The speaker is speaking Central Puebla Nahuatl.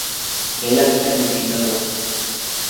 Melajka nipinaua